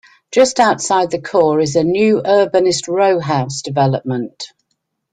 Just outside the core is a new urbanist rowhouse development.